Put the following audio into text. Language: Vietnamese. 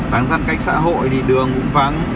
đáng gian cách xã hội thì đường cũng vắng